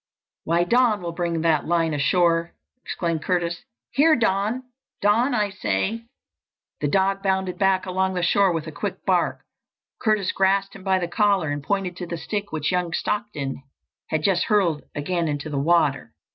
"Why, Don will bring that line ashore!" exclaimed Curtis. "Here, Don! Don, I say!" The dog bounded back along the shore with a quick bark. Curtis grasped him by the collar and pointed to the stick which young Stockton had just hurled again into the water.